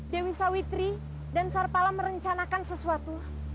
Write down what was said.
dewi sawitri dan sarpala merencanakan sesuatu